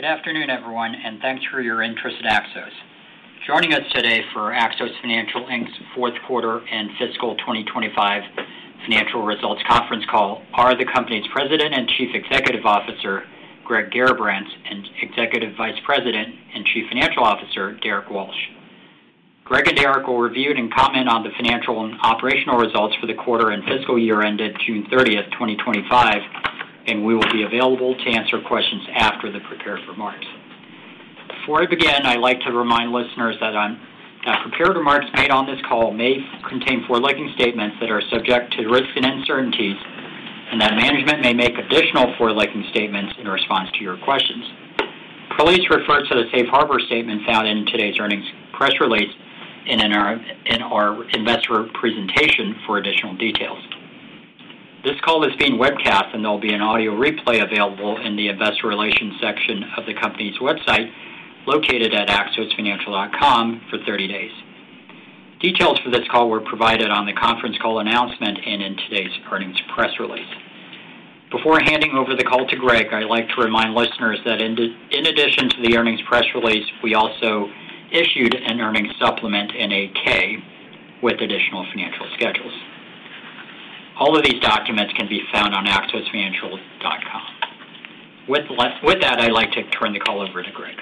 Good afternoon, everyone, and thanks for your interest in Axos. Joining us today for Axos Financial Inc's fourth quarter and fiscal 2025 financial results conference call are the company's President and Chief Executive Officer, Greg Garrabrants, and Executive Vice President and Chief Financial Officer, Derrick Walsh. Greg and Derrick will review and comment on the financial and operational results for the quarter and fiscal year ended June 30, 2025, and we will be available to answer questions after the prepared remarks. Before I begin, I'd like to remind listeners that prepared remarks made on this call may contain forward-looking statements that are subject to risks and uncertainties, and that management may make additional forward-looking statements in response to your questions. Please refer to the safe harbor statement found in today's earnings press release and in our investor presentation for additional details. This call is being webcast, and there will be an audio replay available in the investor relations section of the company's website located at axosfinancial.com for 30 days. Details for this call were provided on the conference call announcement and in today's earnings press release. Before handing over the call to Greg, I'd like to remind listeners that in addition to the earnings press release, we also issued an earnings supplement and a case with additional financial schedules. All of these documents can be found on axosfinancial.com. With that, I'd like to turn the call over to Greg.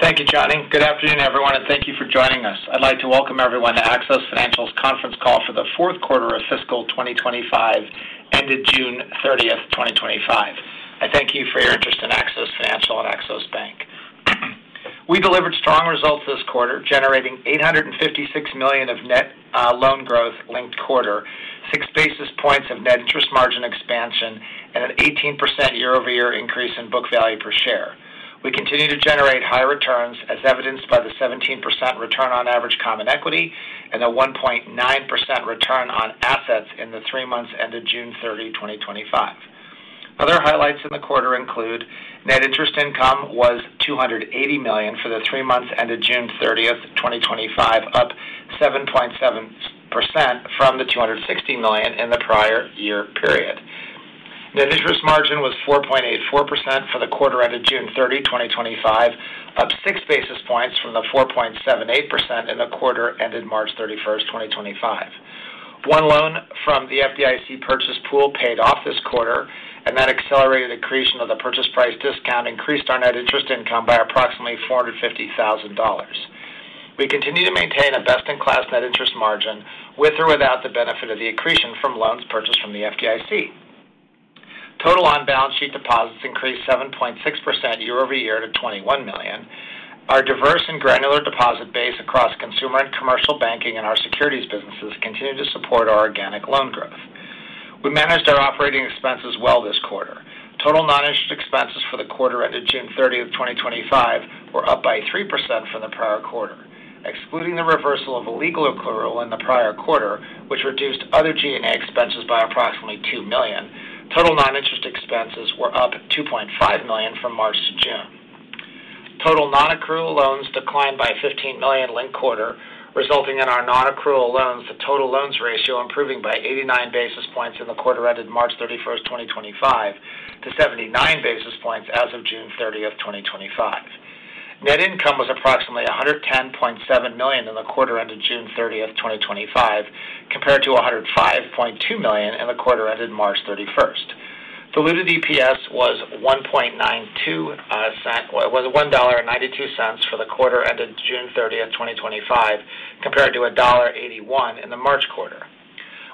Thank you, Johnny. Good afternoon, everyone, and thank you for joining us. I'd like to welcome everyone to Axos Financial's conference call for the fourth quarter of fiscal 2025, ended June 30, 2025. I thank you for your interest in Axos Financial and Axos Bank. We delivered strong results this quarter, generating $856 million of net loan growth linked quarter, six basis points of net interest margin expansion, and an 18% year-over-year increase in book value per share. We continue to generate high returns, as evidenced by the 17% return on average common equity and the 1.9% return on assets in the three months ended June 30, 2025. Other highlights in the quarter include net interest income was $280 million for the three months ended June 30, 2025, up 7.7% from the $260 million in the prior year period. Net interest margin was 4.84% for the quarter ended June 30, 2025, up six basis points from the 4.78% in the quarter ended March 31, 2025. One loan from the FDIC purchase pool paid off this quarter, and that accelerated accretion of the purchase price discount increased our net interest income by approximately $450,000. We continue to maintain a best-in-class net interest margin with or without the benefit of the accretion from loans purchased from the FDIC. Total on-balance sheet deposits increased 7.6% year-over-year to $21 million. Our diverse and granular deposit base across consumer and commercial banking and our securities businesses continue to support our organic loan growth. We managed our operating expenses well this quarter. Total non-interest expenses for the quarter ended June 30, 2025, were up by 3% from the prior quarter, excluding the reversal of a legal accrual in the prior quarter, which reduced other G&A expenses by approximately $2 million. Total non-interest expenses were up $2.5 million from March to June. Total non-accrual loans declined by $15 million linked quarter, resulting in our non-accrual loans to total loans ratio improving by 89 basis points in the quarter ended March 31, 2025, to 79 basis points as of June 30, 2025. Net income was approximately $110.7 million in the quarter ended June 30, 2025, compared to $105.2 million in the quarter ended March 31. Diluted EPS was $1.92 for the quarter ended June 30, 2025, compared to $1.81 in the March quarter.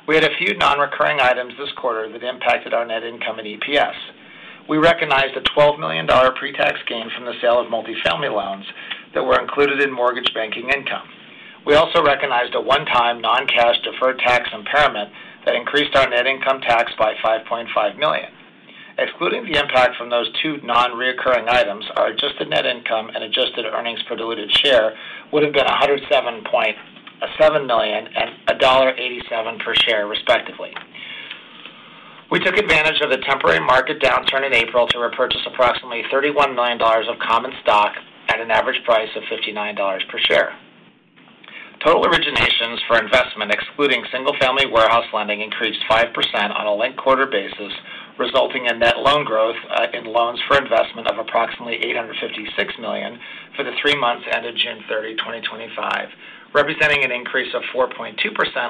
We had a few non-recurring items this quarter that impacted our net income and EPS. We recognized a $12 million pre-tax gain from the sale of multifamily loans that were included in mortgage banking income. We also recognized a one-time non-cash deferred tax impairment that increased our net income tax by $5.5 million. Excluding the impact from those two non-recurring items, our adjusted net income and adjusted earnings per diluted share would have been $107.7 million and $1.87 per share, respectively. We took advantage of the temporary market downturn in April to repurchase approximately $31 million of common stock at an average price of $59 per share. Total originations for investment, excluding single-family warehouse lending, increased 5% on a linked quarter basis, resulting in net loan growth in loans for investment of approximately $856 million for the three months ended June 30, 2025, representing an increase of 4.2%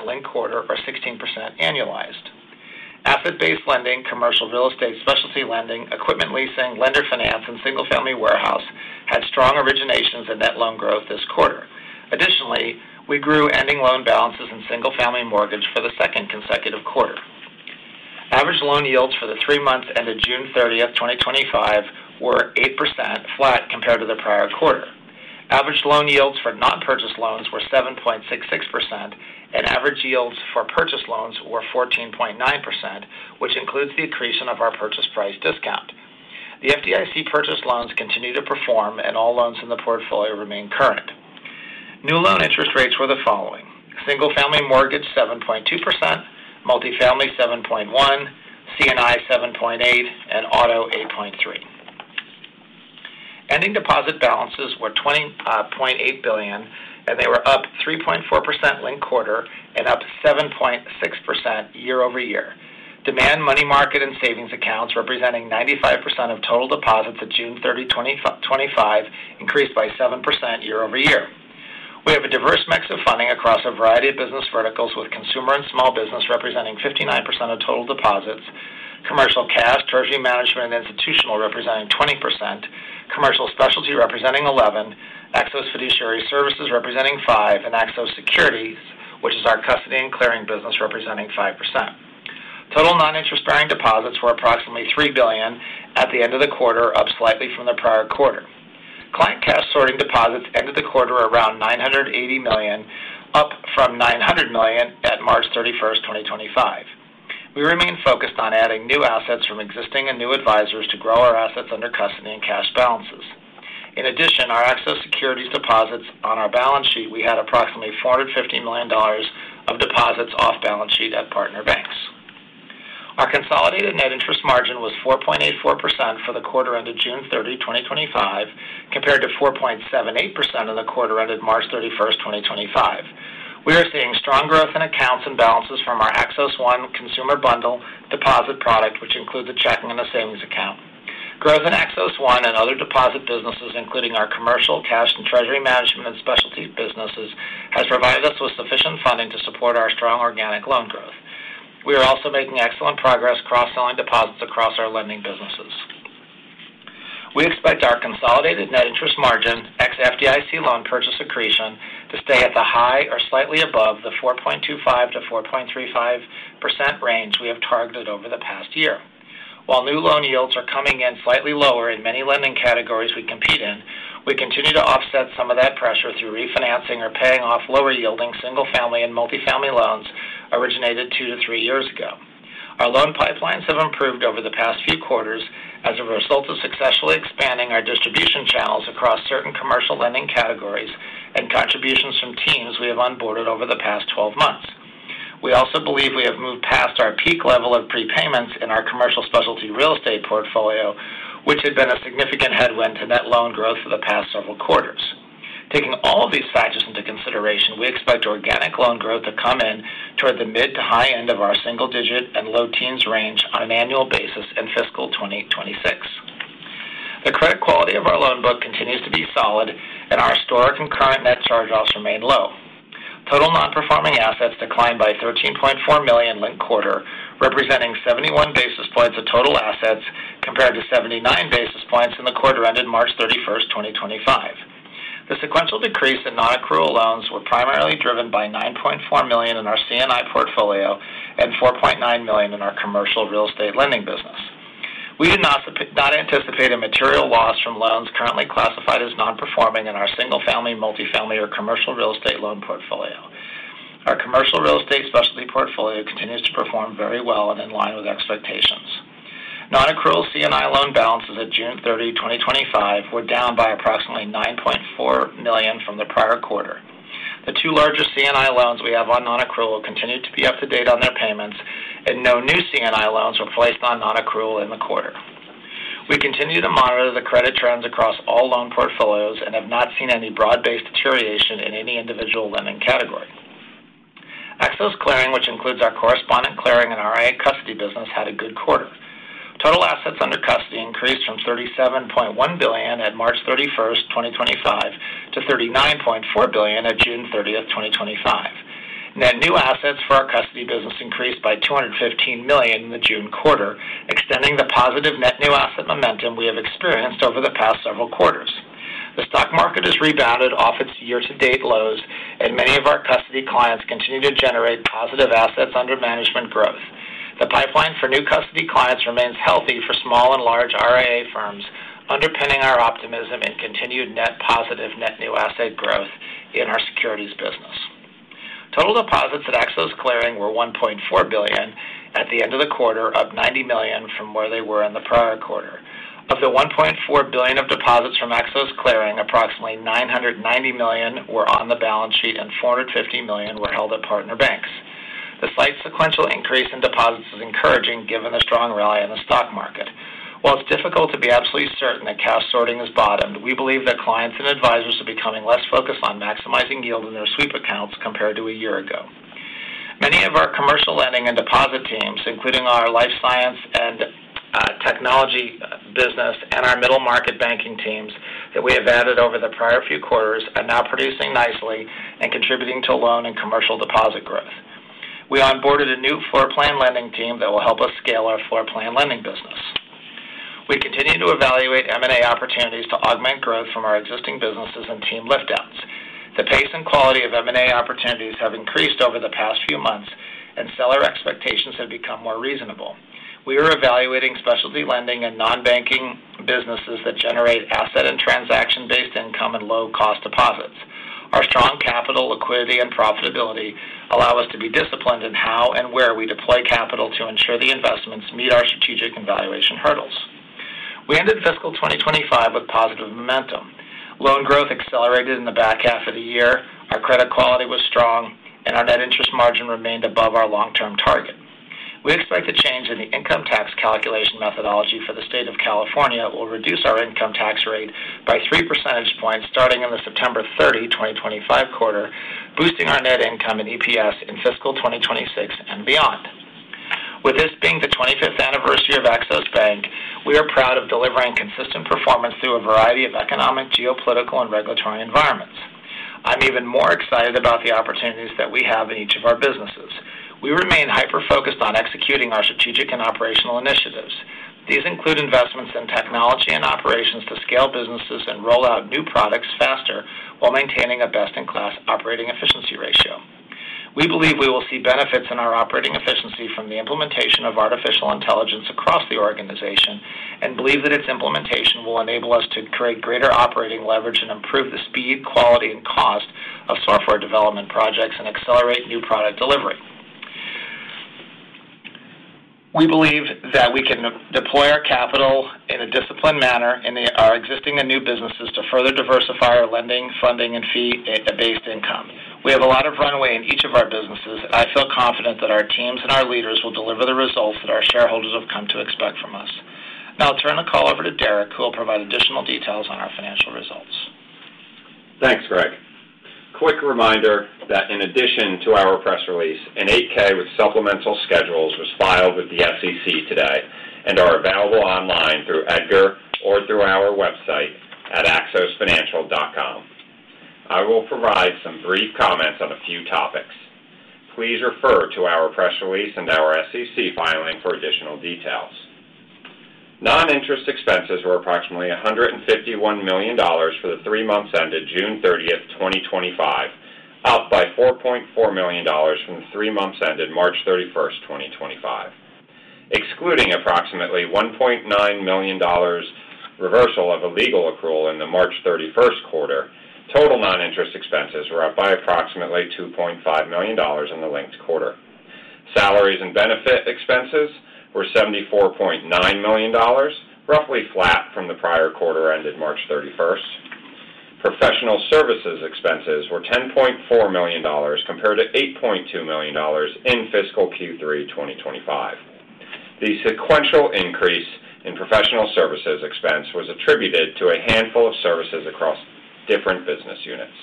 linked quarter or 16% annualized. Asset-based lending, commercial real estate, specialty lending, equipment leasing, lender finance, and single-family warehouse had strong originations and net loan growth this quarter. Additionally, we grew ending loan balances in single-family mortgage for the second consecutive quarter. Average loan yields for the three months ended June 30, 2025, were 8%, flat compared to the prior quarter. Average loan yields for non-purchased loans were 7.66%, and average yields for purchased loans were 14.9%, which includes the accretion of our purchase price discount. The FDIC purchased loans continue to perform, and all loans in the portfolio remain current. New loan interest rates were the following: single-family mortgage 7.2%, multifamily 7.1%, C&I 7.8%, and auto 8.3%. Ending deposit balances were $20.8 billion, and they were up 3.4% linked quarter and up 7.6% year-over-year. Demand, money market, and savings accounts representing 95% of total deposits at June 30, 2025, increased by 7% year-over-year. We have a diverse mix of funding across a variety of business verticals, with consumer and small business representing 59% of total deposits, commercial cash, treasury management, and institutional representing 20%, commercial specialty representing 11%, Axos Fiduciary Services representing 5%, and Axos Securities, which is our custody and clearing business, representing 5%. Total non-interest bearing deposits were approximately $3 billion at the end of the quarter, up slightly from the prior quarter. Client cash sorting deposits ended the quarter around $980 million, up from $900 million at March 31, 2025. We remain focused on adding new assets from existing and new advisors to grow our assets under custody and cash balances. In addition, our Axos Securities deposits on our balance sheet, we had approximately $450 million of deposits off balance sheet at partner banks. Our consolidated net interest margin was 4.84% for the quarter ended June 30, 2025, compared to 4.78% in the quarter ended March 31, 2025. We are seeing strong growth in accounts and balances from our Axos ONE consumer bundle deposit product, which includes a checking and a savings account. Growth in Axos ONE and other deposit businesses, including our commercial cash and treasury management and specialty businesses, has provided us with sufficient funding to support our strong organic loan growth. We are also making excellent progress cross-selling deposits across our lending businesses. We expect our consolidated net interest margin ex-FDIC loan purchase accretion to stay at the high or slightly above the 4.25%-4.35% range we have targeted over the past year. While new loan yields are coming in slightly lower in many lending categories we compete in, we continue to offset some of that pressure through refinancing or paying off lower yielding single-family and multifamily loans originated two to three years ago. Our loan pipelines have improved over the past few quarters as a result of successfully expanding our distribution channels across certain commercial lending categories and contributions from teams we have onboarded over the past 12 months. We also believe we have moved past our peak level of prepayments in our commercial specialty real estate portfolio, which had been a significant headwind to net loan growth for the past several quarters. Taking all of these factors into consideration, we expect organic loan growth to come in toward the mid to high end of our single-digit and low-teens range on an annual basis in fiscal 2026. The credit quality of our loan book continues to be solid, and our historic and current net charge-offs remain low. Total non-performing assets declined by $13.4 million linked quarter, representing 71 basis points of total assets compared to 79 basis points in the quarter ended March 31, 2025. The sequential decrease in non-accrual loans was primarily driven by $9.4 million in our C&I portfolio and $4.9 million in our commercial real estate lending business. We did not anticipate a material loss from loans currently classified as non-performing in our single-family, multifamily, or commercial real estate loan portfolio. Our commercial real estate specialty portfolio continues to perform very well and in line with expectations. Non-accrual C&I loan balances at June 30, 2025, were down by approximately $9.4 million from the prior quarter. The two largest C&I loans we have on non-accrual continue to be up to date on their payments, and no new C&I loans were placed on non-accrual in the quarter. We continue to monitor the credit trends across all loan portfolios and have not seen any broad-based deterioration in any individual lending category. Axos Clearing, which includes our correspondent clearing and RIA custody business, had a good quarter. Total assets under custody increased from $37.1 billion at March 31, 2025, to $39.4 billion at June 30, 2025. Net new assets for our custody business increased by $215 million in the June quarter, extending the positive net new asset momentum we have experienced over the past several quarters. The stock market has rebounded off its year-to-date lows, and many of our custody clients continue to generate positive assets under management growth. The pipeline for new custody clients remains healthy for small and large RIA firms, underpinning our optimism in continued net positive net new asset growth in our securities business. Total deposits at Axos Clearing were $1.4 billion at the end of the quarter, up $90 million from where they were in the prior quarter. Of the $1.4 billion of deposits from Axos Clearing, approximately $990 million were on the balance sheet and $450 million were held at partner banks. The slight sequential increase in deposits is encouraging given the strong rally in the stock market. While it's difficult to be absolutely certain that cash sorting has bottomed, we believe that clients and advisors are becoming less focused on maximizing yield in their sweep accounts compared to a year ago. Many of our commercial lending and deposit teams, including our life science and technology business and our middle market banking teams that we have added over the prior few quarters, are now producing nicely and contributing to loan and commercial deposit growth. We onboarded a new floor plan lending team that will help us scale our floor plan lending business. We continue to evaluate M&A opportunities to augment growth from our existing businesses and team liftouts. The pace and quality of M&A opportunities have increased over the past few months, and seller expectations have become more reasonable. We are evaluating specialty lending and non-banking businesses that generate asset and transaction-based income and low-cost deposits. Our strong capital, liquidity, and profitability allow us to be disciplined in how and where we deploy capital to ensure the investments meet our strategic evaluation hurdles. We ended fiscal 2025 with positive momentum. Loan growth accelerated in the back half of the year, our credit quality was strong, and our net interest margin remained above our long-term target. We expect the change in the income tax calculation methodology for the state of California will reduce our income tax rate by 3%, starting in the September 30, 2025 quarter, boosting our net income and EPS in fiscal 2026 and beyond. With this being the 25th anniversary of Axos Bank, we are proud of delivering consistent performance through a variety of economic, geopolitical, and regulatory environments. I'm even more excited about the opportunities that we have in each of our businesses. We remain hyper-focused on executing our strategic and operational initiatives. These include investments in technology and operations to scale businesses and roll out new products faster while maintaining a best-in-class operating efficiency ratio. We believe we will see benefits in our operating efficiency from the implementation of artificial intelligence across the organization and believe that its implementation will enable us to create greater operating leverage and improve the speed, quality, and cost of software development projects and accelerate new product delivery. We believe that we can deploy our capital in a disciplined manner in our existing and new businesses to further diversify our lending, funding, and fee-based income. We have a lot of runway in each of our businesses, and I feel confident that our teams and our leaders will deliver the results that our shareholders have come to expect from us. Now I'll turn the call over to Derrick, who will provide additional details on our financial results. Thanks, Greg. Quick reminder that in addition to our press release, an 8-K with supplemental schedules was filed with the SEC today and is available online through EDGAR or through our website at axosfinancial.com. I will provide some brief comments on a few topics. Please refer to our press release and our SEC filing for additional details. Non-interest expenses were approximately $151 million for the three months ended June 30, 2025, up by $4.4 million from the three months ended March 31, 2025. Excluding approximately $1.9 million reversal of a legal accrual in the March 31st quarter, total non-interest expenses were up by approximately $2.5 million in the linked quarter. Salaries and benefit expenses were $74.9 million, roughly flat from the prior quarter ended March 31st. Professional services expenses were $10.4 million compared to $8.2 million in fiscal Q3 2025. The sequential increase in professional services expense was attributed to a handful of services across different business units.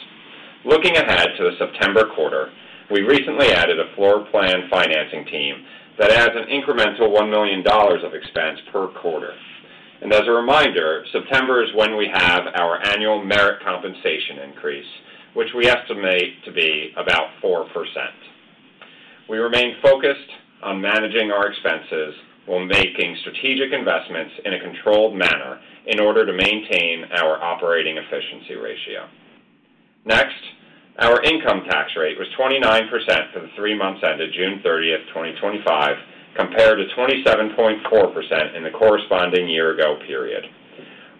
Looking ahead to the September quarter, we recently added a floor plan financing team that adds an incremental $1 million of expense per quarter. September is when we have our annual merit compensation increase, which we estimate to be about 4%. We remain focused on managing our expenses while making strategic investments in a controlled manner in order to maintain our operating efficiency ratio. Next, our income tax rate was 29% for the three months ended June 30, 2025, compared to 27.4% in the corresponding year-ago period.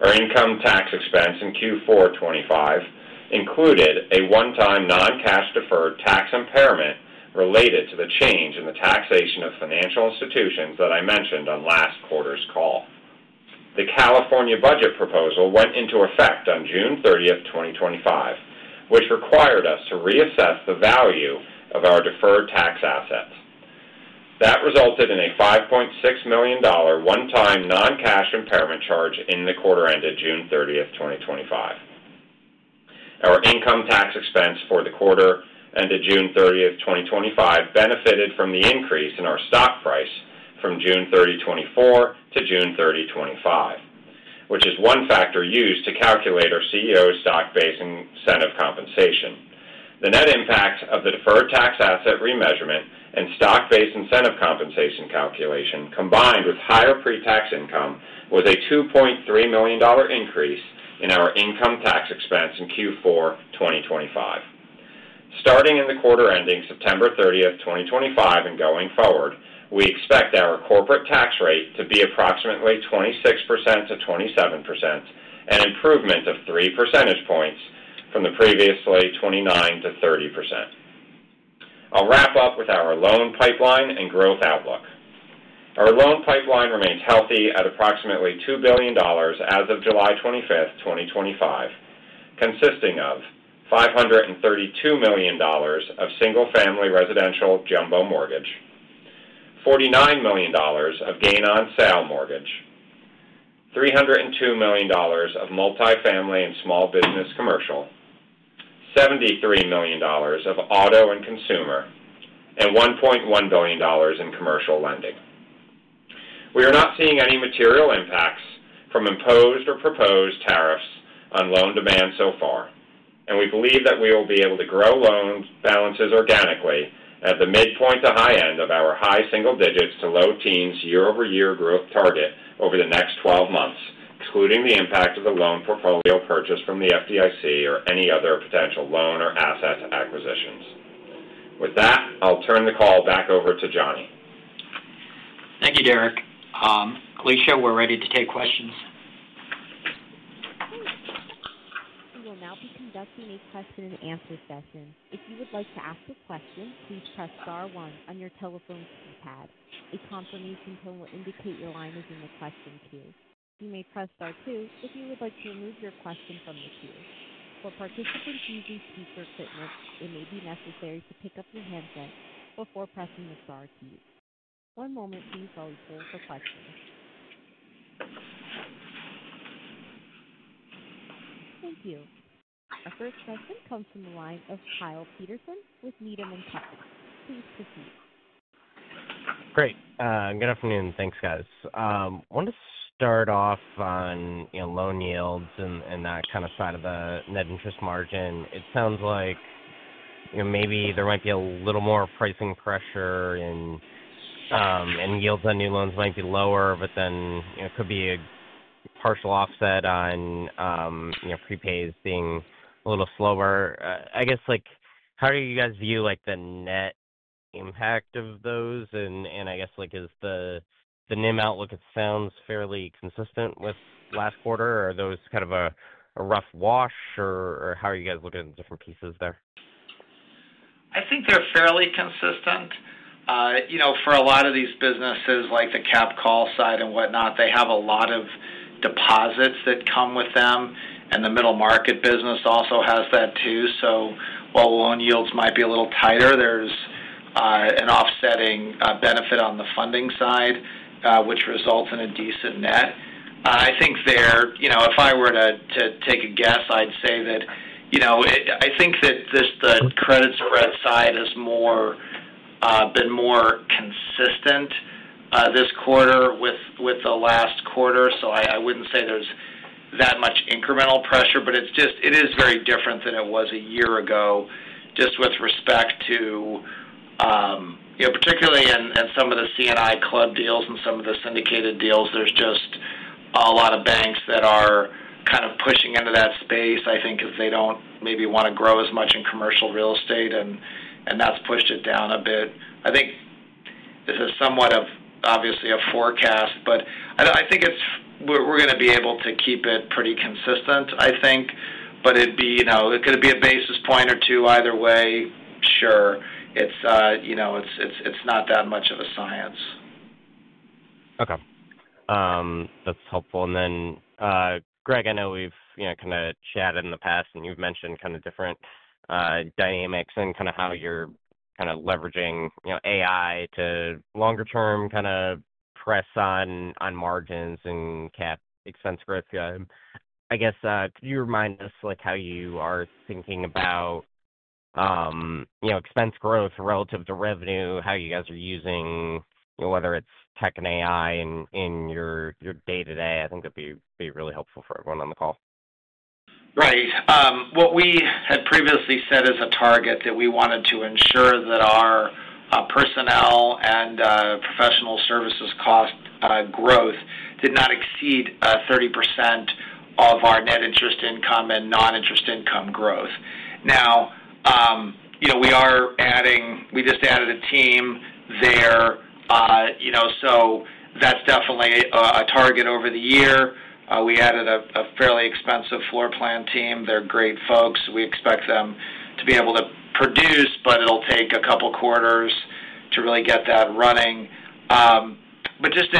Our income tax expense in Q4 2025 included a one-time non-cash deferred tax impairment related to the change in the taxation of financial institutions that I mentioned on last quarter's call. The California budget proposal went into effect on June 30, 2025, which required us to reassess the value of our deferred tax assets. That resulted in a $5.6 million one-time non-cash impairment charge in the quarter ended June 30, 2025. Our income tax expense for the quarter ended June 30, 2025, benefited from the increase in our stock price from June 30, 2024 to June 30, 2025, which is one factor used to calculate our CEO's stock-based incentive compensation. The net impact of the deferred tax asset remeasurement and stock-based incentive compensation calculation, combined with higher pre-tax income, was a $2.3 million increase in our income tax expense in Q4 2025. Starting in the quarter ending September 30, 2025, and going forward, we expect our corporate tax rate to be approximately 26% to 27%, an improvement of three percentage points from the previously 29% to 30%. I'll wrap up with our loan pipeline and growth outlook. Our loan pipeline remains healthy at approximately $2 billion as of July 25, 2025, consisting of $532 million of single-family residential jumbo mortgage, $49 million of gain-on-sale mortgage, $302 million of multifamily and small business commercial, $73 million of auto and consumer, and $1.1 billion in commercial lending. We are not seeing any material impacts from imposed or proposed tariffs on loan demand so far, and we believe that we will be able to grow loan balances organically at the midpoint to high end of our high single-digits to low teens year-over-year growth target over the next 12 months, excluding the impact of the loan portfolio purchase from the FDIC or any other potential loan or asset acquisitions. With that, I'll turn the call back over to Johnny. Thank you, Derrick. Alicia, we're ready to take questions. We will now be conducting a question and answer session. If you would like to ask a question, please press star one on your telephone keypad. A confirmation pin will indicate your line is in the question queue. You may press star two if you would like to remove your question from the queue. For participants using speaker equipment, it may be necessary to pick up your handset before pressing the star keys. One moment, please, while we pull for questions. Thank you. Our first question comes from the line of Kyle Peterson with Needham & Co. Please proceed. Great. Good afternoon. Thanks, guys. I want to start off on loan yields and that kind of side of the net interest margin. It sounds like maybe there might be a little more pricing pressure and yields on new loans might be lower, but then it could be a partial offset on prepaid being a little slower. I guess, how do you guys view the net impact of those? I guess, is the NIM outlook, it sounds fairly consistent with last quarter? Are those kind of a rough wash, or how are you guys looking at the different pieces there? I think they're fairly consistent. You know, for a lot of these businesses, like the capital call side and whatnot, they have a lot of deposits that come with them, and the middle market business also has that too. While loan yields might be a little tighter, there's an offsetting benefit on the funding side, which results in a decent net. I think if I were to take a guess, I'd say that just the credit spread side has been more consistent this quarter with the last quarter. I wouldn't say there's that much incremental pressure, but it is very different than it was a year ago, just with respect to, particularly in some of the C&I club deals and some of the syndicated deals. There are just a lot of banks that are kind of pushing into that space, I think, because they don't maybe want to grow as much in commercial real estate, and that's pushed it down a bit. I think this is somewhat of, obviously, a forecast, but I think we're going to be able to keep it pretty consistent. It could be a basis point or two either way. It's not that much of a science. Okay, that's helpful. Greg, I know we've kind of chatted in the past, and you've mentioned different dynamics and how you're leveraging AI to longer-term press on margins and CapEx growth. Could you remind us how you are thinking about expense growth relative to revenue, how you guys are using tech and AI in your day-to-day? I think it'd be really helpful for everyone on the call. Right. What we had previously set as a target was that we wanted to ensure that our personnel and professional services cost growth did not exceed 30% of our net interest income and non-interest income growth. Now, you know, we are adding, we just added a team there, so that's definitely a target over the year. We added a fairly expensive floor plan team. They're great folks. We expect them to be able to produce, but it'll take a couple quarters to really get that running.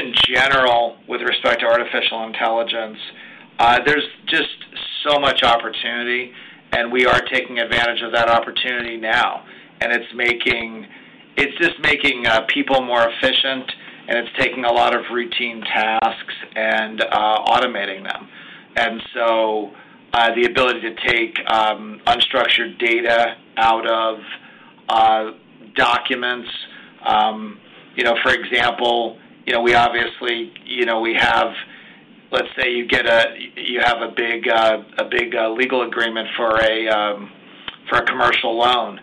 In general, with respect to artificial intelligence, there's just so much opportunity, and we are taking advantage of that opportunity now. It's making people more efficient, and it's taking a lot of routine tasks and automating them. The ability to take unstructured data out of documents, for example, you know, we obviously, let's say you get a big legal agreement for a commercial loan.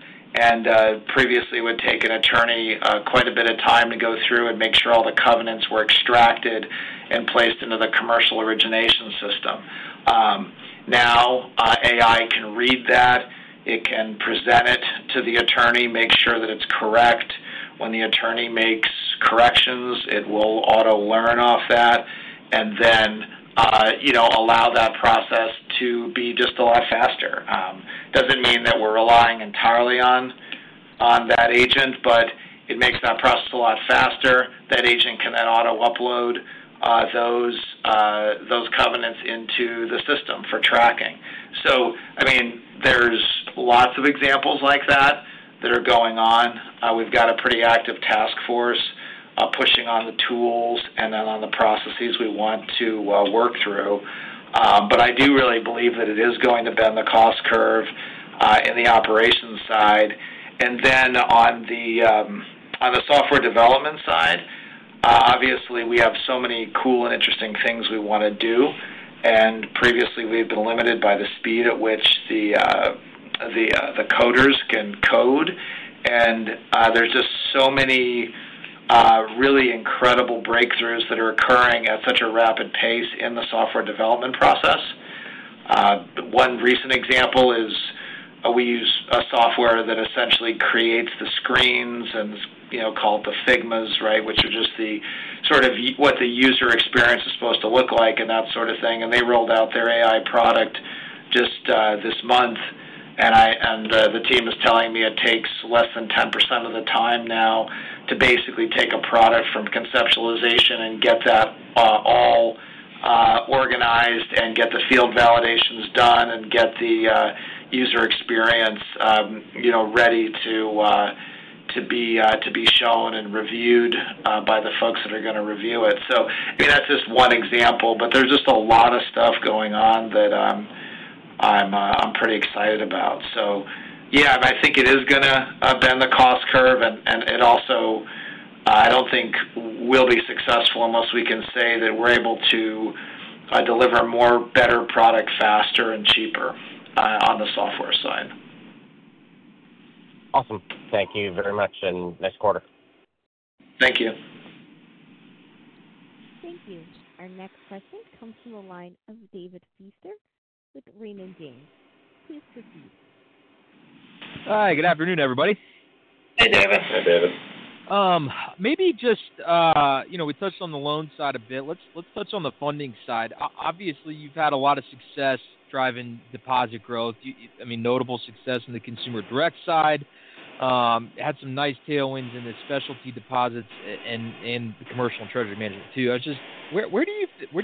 Previously, it would take an attorney quite a bit of time to go through and make sure all the covenants were extracted and placed into the commercial origination system. Now, AI can read that. It can present it to the attorney, make sure that it's correct. When the attorney makes corrections, it will auto learn off that and then allow that process to be just a lot faster. It doesn't mean that we're relying entirely on that agent, but it makes that process a lot faster. That agent can then auto-upload those covenants into the system for tracking. There are lots of examples like that that are going on. We've got a pretty active task force pushing on the tools and then on the processes we want to work through. I do really believe that it is going to bend the cost curve in the operations side. On the software development side, obviously, we have so many cool and interesting things we want to do. Previously, we had been limited by the speed at which the coders can code. There are just so many really incredible breakthroughs that are occurring at such a rapid pace in the software development process. One recent example is, we use a software that essentially creates the screens called the Figma, which are just what the user experience is supposed to look like and that sort of thing. They rolled out their AI product just this month. The team is telling me it takes less than 10% of the time now to basically take a product from conceptualization and get that all organized and get the field validations done and get the user experience ready to be shown and reviewed by the folks that are going to review it. That's just one example, but there's just a lot of stuff going on that I'm pretty excited about. I think it is going to bend the cost curve, and it also, I don't think we'll be successful unless we can say that we're able to deliver a more, better product faster and cheaper, on the software side. Awesome. Thank you very much, and nice quarter. Thank you. Thank you. Our next question comes from the line of David Feaster with Raymond James. Please proceed. Hi. Good afternoon, everybody. Hey, David. Hi, David. Maybe just, you know, we touched on the loan side a bit. Let's touch on the funding side. Obviously, you've had a lot of success driving deposit growth. You, I mean, notable success in the consumer direct side, had some nice tailwinds in the specialty deposits and the commercial and treasury management too. I was just, where do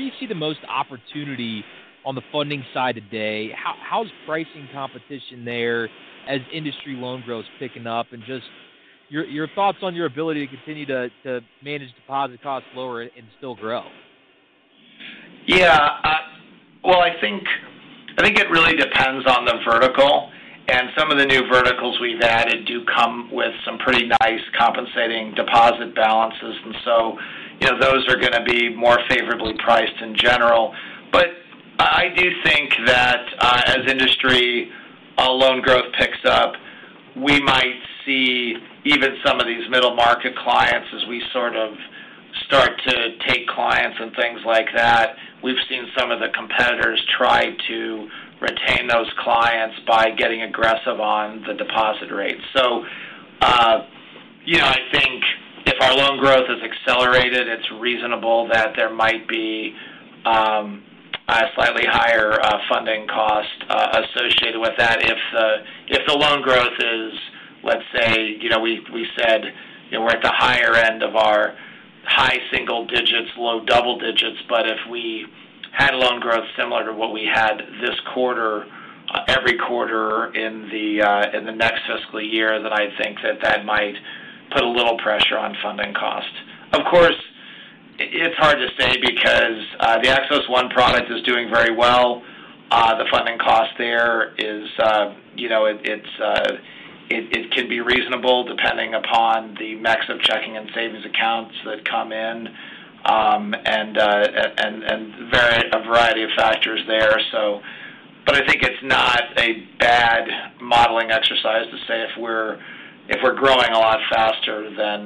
you see the most opportunity on the funding side today? How is pricing competition there as industry loan growth is picking up? Just your thoughts on your ability to continue to manage deposit costs lower and still grow? I think it really depends on the vertical. Some of the new verticals we've added do come with some pretty nice compensating deposit balances, so those are going to be more favorably priced in general. I do think that as industry loan growth picks up, we might see even some of these middle market clients as we sort of start to take clients and things like that. We've seen some of the competitors try to retain those clients by getting aggressive on the deposit rate. I think if our loan growth is accelerated, it's reasonable that there might be a slightly higher funding cost associated with that. If the loan growth is, let's say, you know, we're at the higher end of our high single digits, low double digits, but if we had loan growth similar to what we had this quarter every quarter in the next fiscal year, then I think that might put a little pressure on funding costs. Of course, it's hard to say because the Axos ONE product is doing very well. The funding cost there is, you know, it can be reasonable depending upon the mix of checking and savings accounts that come in, and a variety of factors there. I think it's not a bad modeling exercise to say if we're growing a lot faster, then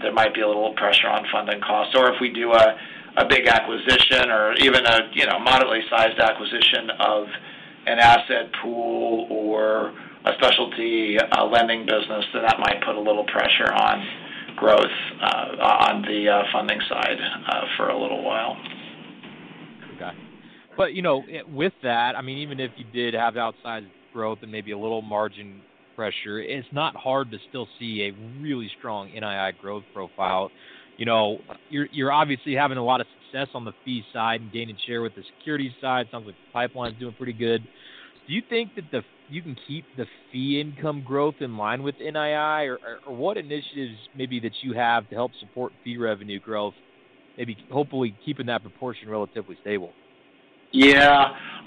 there might be a little pressure on funding costs. If we do a big acquisition or even a moderately sized acquisition of an asset pool or a specialty lending business, then that might put a little pressure on growth on the funding side for a little while. Okay. Got it. Even if you did have outsized growth and maybe a little margin pressure, it's not hard to still see a really strong NII growth profile. You're obviously having a lot of success on the fee side and gaining share with the securities side. It sounds like the pipeline is doing pretty good. Do you think that you can keep the fee income growth in line with NII, or what initiatives maybe that you have to help support fee revenue growth, hopefully keeping that proportion relatively stable? Yeah.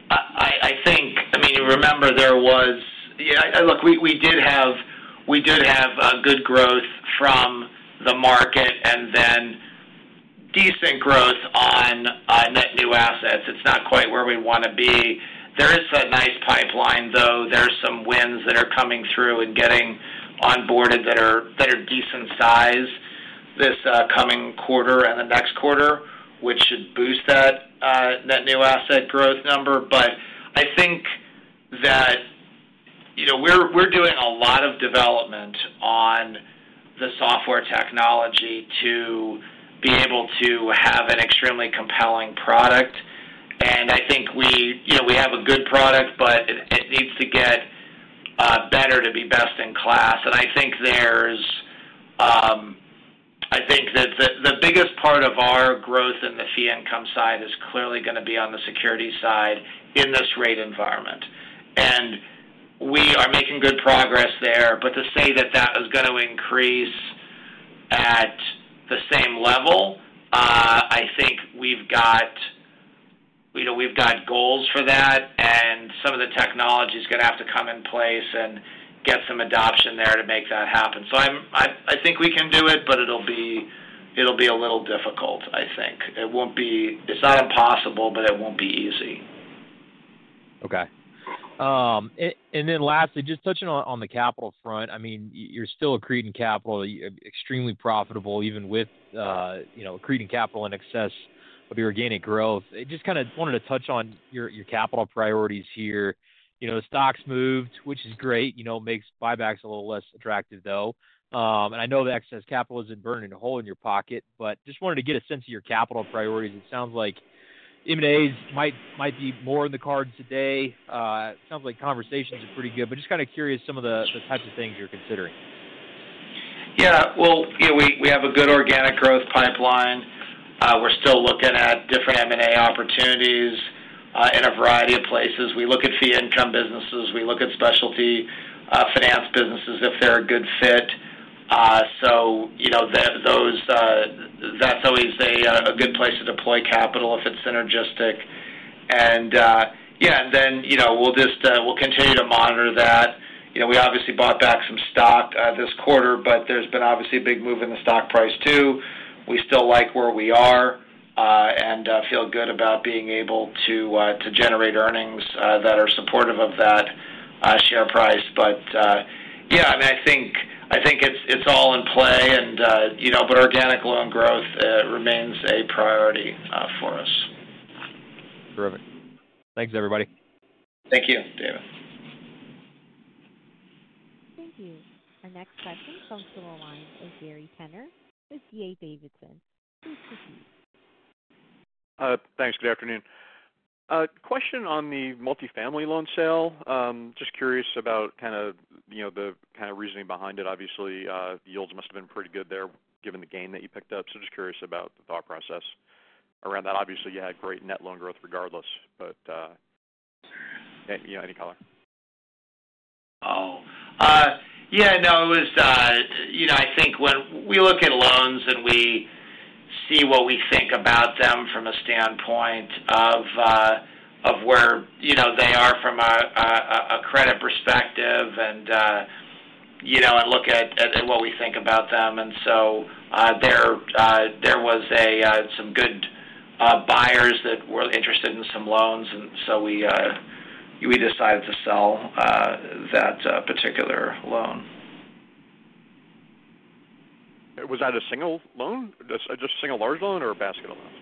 I think, I mean, you remember there was, yeah, I look, we did have, we did have a good growth from the market and then decent growth on net new assets. It's not quite where we want to be. There is a nice pipeline, though. There's some wins that are coming through and getting onboarded that are decent size this coming quarter and the next quarter, which should boost that net new asset growth number. I think that, you know, we're doing a lot of development on the software technology to be able to have an extremely compelling product. I think we, you know, we have a good product, but it needs to get better to be best in class. I think the biggest part of our growth in the fee income side is clearly going to be on the securities side in this rate environment. We are making good progress there. To say that that is going to increase at the same level, I think we've got, you know, we've got goals for that, and some of the technology is going to have to come in place and get some adoption there to make that happen. I think we can do it, but it'll be a little difficult, I think. It won't be, it's not impossible, but it won't be easy. Okay. Lastly, just touching on the capital front, you're still accreting capital, extremely profitable, even with accreting capital in excess of your organic growth. I just kind of wanted to touch on your capital priorities here. The stock's moved, which is great. It makes buybacks a little less attractive, though. I know the excess capital isn't burning a hole in your pocket, but just wanted to get a sense of your capital priorities. It sounds like M&As might be more in the cards today. It sounds like conversations are pretty good, but just kind of curious some of the types of things you're considering. Yeah, you know, we have a good organic growth pipeline. We're still looking at different M&A opportunities in a variety of places. We look at fee income businesses. We look at specialty finance businesses if they're a good fit. That's always a good place to deploy capital if it's synergistic. Yeah, you know, we'll continue to monitor that. We obviously bought back some stock this quarter, but there's been obviously a big move in the stock price too. We still like where we are and feel good about being able to generate earnings that are supportive of that share price. I think it's all in play. Organic loan growth remains a priority for us. Terrific. Thanks, everybody. Thank you, David. Thank you. Our next question comes from a line of Gary Tenner with D.A. Davidson. Please proceed. Thanks. Good afternoon. Question on the multifamily loan sale. Just curious about, you know, the kind of reasoning behind it. Obviously, the yields must have been pretty good there given the gain that you picked up. Just curious about the thought process around that. Obviously, you had great net loan growth regardless, but, you know, any color. Oh, yeah. I think when we look at loans and we see what we think about them from a standpoint of where they are from a credit perspective and look at what we think about them, there were some good buyers that were interested in some loans. We decided to sell that particular loan. Was that a single loan, just a single large loan, or a basket of loans?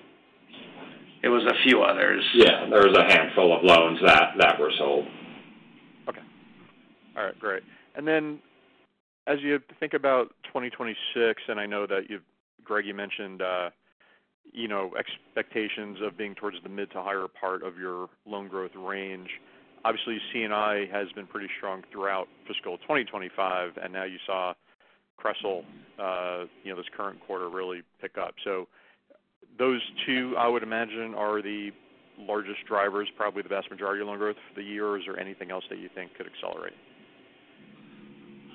It was a few others. Yeah. There was a handful of loans that were sold. All right. Great. As you think about 2026, and I know that you, Greg, you mentioned expectations of being towards the mid to higher part of your loan growth range. Obviously, C&I has been pretty strong throughout fiscal 2025, and now you saw CRE, you know, this current quarter really pick up. Those two, I would imagine, are the largest drivers, probably the vast majority of loan growth for the year. Is there anything else that you think could accelerate?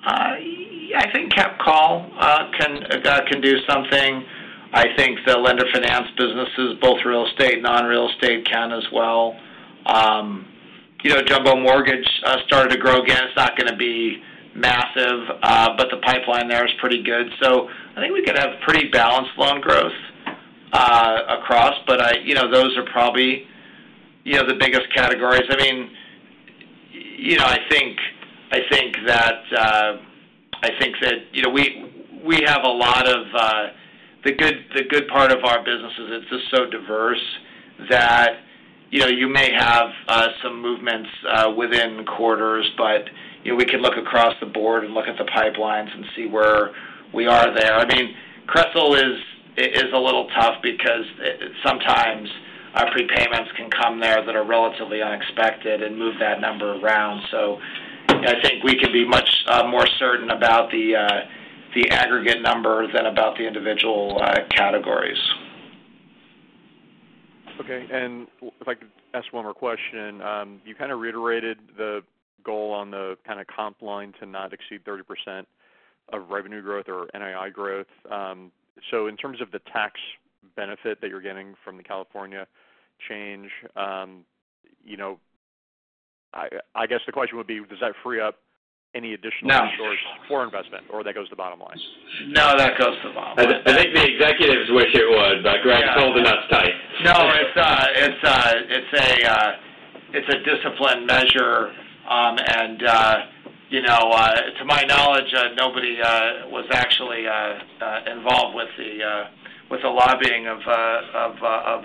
Yeah, I think capital call can do something. I think the lender finance businesses, both real estate and non-real estate, can as well. Jumbo mortgage started to grow again. It's not going to be massive, but the pipeline there is pretty good. I think we could have pretty balanced loan growth across, but those are probably the biggest categories. The good part of our business is it's just so diverse that you may have some movements within quarters, but we can look across the board and look at the pipelines and see where we are there. I mean, CRE is a little tough because sometimes our prepayments can come there that are relatively unexpected and move that number around. I think we can be much more certain about the aggregate number than about the individual categories. Okay. If I could ask one more question, you kind of reiterated the goal on the comp line to not exceed 30% of revenue growth or NII growth. In terms of the tax benefit that you're getting from the California change, I guess the question would be, does that free up any additional resource for investment, or that goes to the bottom line? No, that goes to the bottom line. I think the executives wish it would, but Greg is holding us tight. No, it's a disciplined measure. To my knowledge, nobody was actually involved with the lobbying of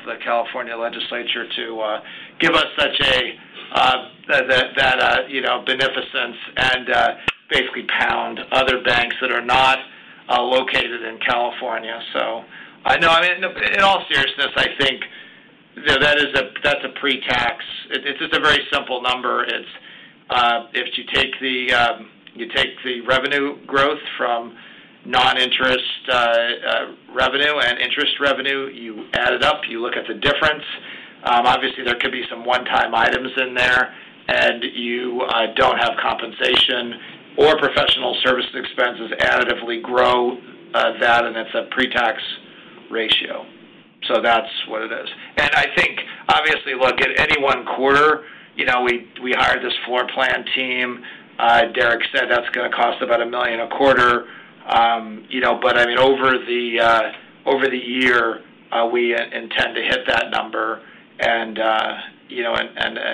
the California Legislature to give us such a, that beneficence and basically pound other banks that are not located in California. In all seriousness, I think that is a pre-tax. It's just a very simple number. If you take the revenue growth from non-interest revenue and interest revenue, you add it up, you look at the difference. Obviously, there could be some one-time items in there, and you don't have compensation or professional services expenses additively grow, and it's a pre-tax ratio. That's what it is. I think, obviously, at any one quarter, we hired this floor plan team. Derrick said that's going to cost about $1 million a quarter. Over the year, we intend to hit that number and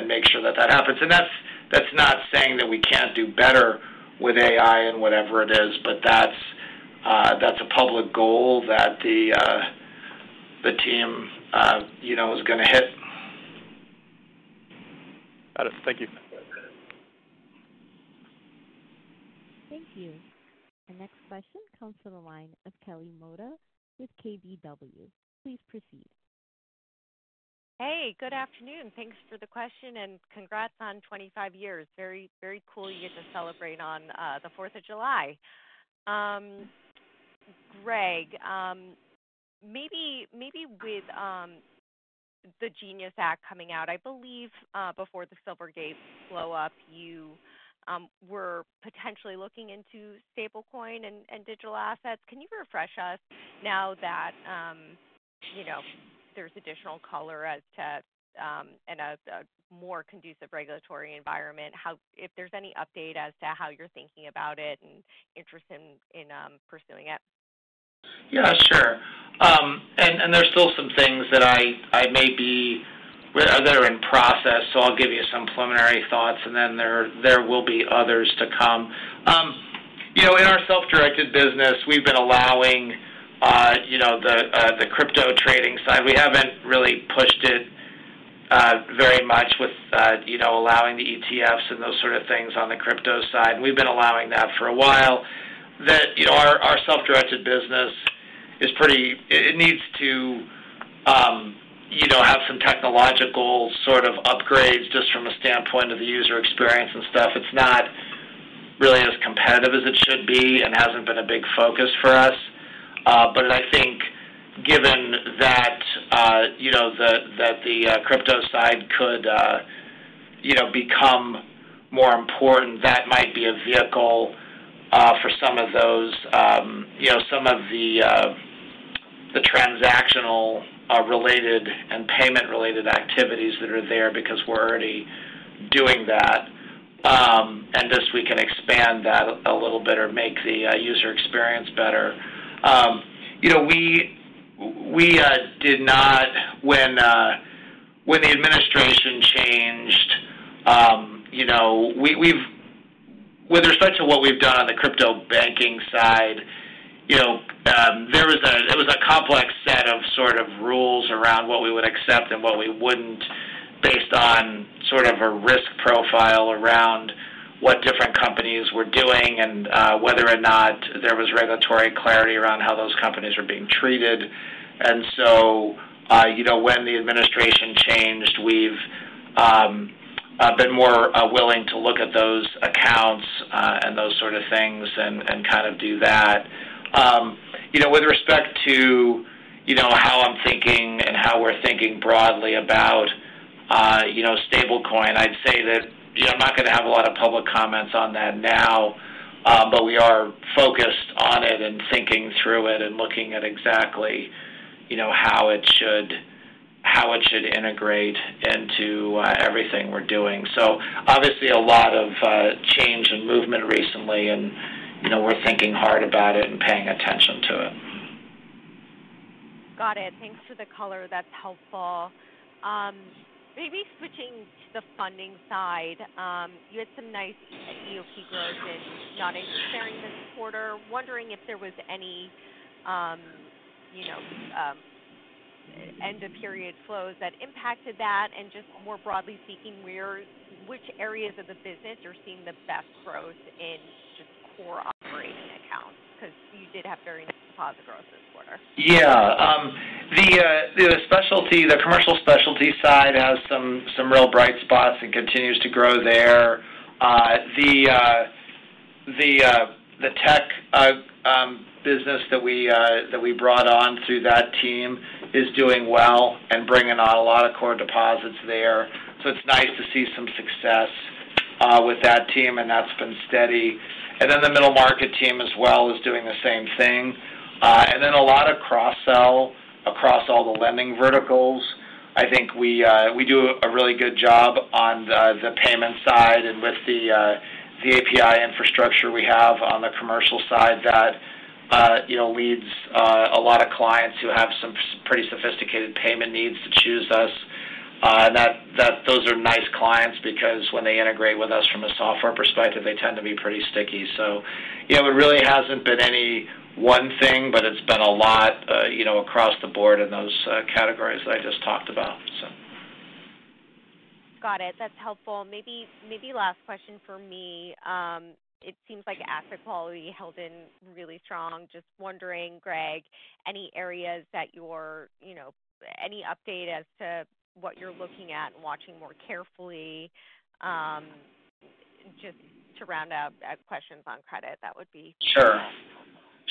make sure that that happens. That's not saying that we can't do better with AI and whatever it is, but that's a public goal that the team is going to hit. Got it. Thank you. Thank you. Our next question comes from a line of Kelly Motta with KBW. Please proceed. Hey, good afternoon. Thanks for the question and congrats on 25 years. Very, very cool you get to celebrate on the 4th of July. Greg, maybe with the GENIUS Act coming out, I believe before the Silvergate blow-up, you were potentially looking into stablecoin and digital assets. Can you refresh us now that there's additional color as to, in a more conducive regulatory environment, if there's any update as to how you're thinking about it and interest in pursuing it? Yeah, sure. There are still some things that are in process. I'll give you some preliminary thoughts, and then there will be others to come. In our self-directed business, we've been allowing the crypto trading side. We haven't really pushed it very much with allowing the ETFs and those sort of things on the crypto side. We've been allowing that for a while. Our self-directed business needs to have some technological upgrades just from a standpoint of the user experience. It's not really as competitive as it should be and hasn't been a big focus for us. I think given that the crypto side could become more important, that might be a vehicle for some of the transactional-related and payment-related activities that are there because we're already doing that. We can expand that a little bit or make the user experience better. We did not, when the administration changed, with respect to what we've done on the crypto banking side, there was a complex set of rules around what we would accept and what we wouldn't based on a risk profile around what different companies were doing and whether or not there was regulatory clarity around how those companies were being treated. When the administration changed, we've been more willing to look at those accounts and those sort of things and do that. With respect to how I'm thinking and how we're thinking broadly about stablecoin, I'd say that I'm not going to have a lot of public comments on that now, but we are focused on it and thinking through it and looking at exactly how it should integrate into everything we're doing. Obviously, a lot of change and movement recently, and we're thinking hard about it and paying attention to it. Got it. Thanks for the color. That's helpful. Maybe switching to the funding side, you had some nice EOP growth in non-interest bearing this quarter. Wondering if there was any end-of-period flows that impacted that. Just more broadly speaking, which areas of the business are seeing the best growth in just core operating accounts? Because you did have very nice deposit growth this quarter. Yeah, the specialty, the commercial specialty side has some real bright spots and continues to grow there. The tech business that we brought on through that team is doing well and bringing on a lot of core deposits there. It's nice to see some success with that team, and that's been steady. The middle market team as well is doing the same thing, and then a lot of cross-sell across all the lending verticals. I think we do a really good job on the payment side and with the API infrastructure we have on the commercial side that leads a lot of clients who have some pretty sophisticated payment needs to choose us. Those are nice clients because when they integrate with us from a software perspective, they tend to be pretty sticky. It really hasn't been any one thing, but it's been a lot across the board in those categories that I just talked about. Got it. That's helpful. Maybe last question for me. It seems like asset quality held in really strong. Just wondering, Greg, any areas that you're, you know, any update as to what you're looking at and watching more carefully? Just to round out questions on credit, that would be.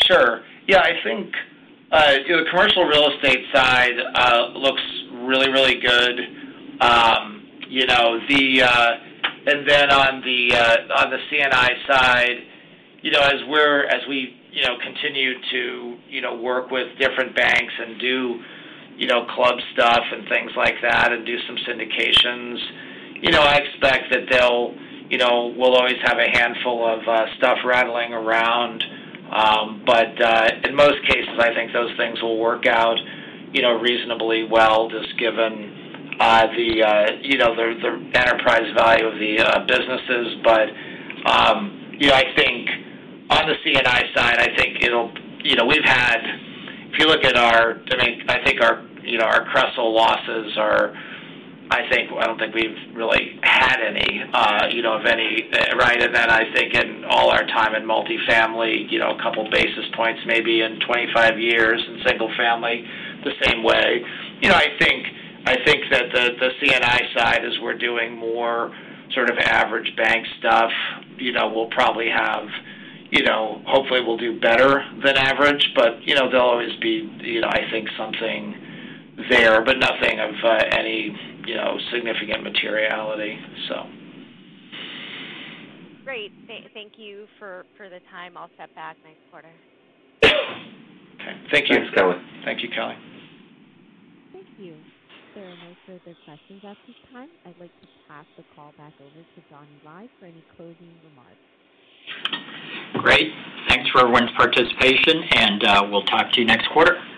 Sure. Yeah, I think the commercial real estate side looks really, really good. And then on the C&I side, as we continue to work with different banks and do club stuff and things like that and do some syndications, I expect that we'll always have a handful of stuff rattling around. In most cases, I think those things will work out reasonably well, just given the enterprise value of the businesses. I think on the C&I side, we've had, if you look at our, I mean, I think our credit losses are, I don't think we've really had any of any, right? In all our time in multifamily, a couple basis points maybe in 25 years, in single-family the same way. I think that the C&I side, as we're doing more sort of average bank stuff, we'll probably have, hopefully, we'll do better than average, but there'll always be, I think, something there, but nothing of any significant materiality. Great. Thank you for the time. I'll step back next quarter. Okay, thank you. Thanks, Kelly. Thank you, Kelly. Thank you. There are no further questions at this time. I'd like to pass the call back over to Johnny Lai for any closing remarks. Great. Thanks for everyone's participation, and we'll talk to you next quarter. This concludes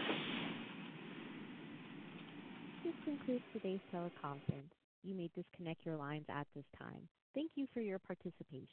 today's teleconference. You may disconnect your lines at this time. Thank you for your participation.